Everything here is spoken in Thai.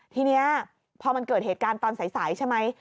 ทีนี้พอมันเกิดเหตุการณ์ตอนสายใช่ไหม